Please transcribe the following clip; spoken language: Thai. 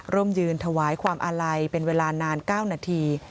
ยืนถวายความอาลัยเป็นเวลานาน๙นาที